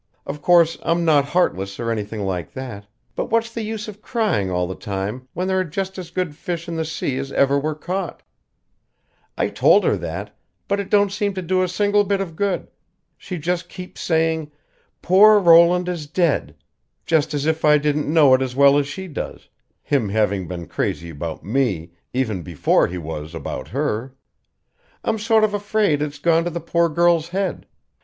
Of course, I'm not heartless or anything like that; but what's the use of crying all the time when there are just as good fish in the sea as ever were caught? I told her that, but it don't seem to do a single bit of good. She just keeps saying, 'Poor Roland is dead,' just as if I didn't know it as well as she does him having been crazy about me even before he was about her. I'm sort of afraid it's gone to the poor girl's head.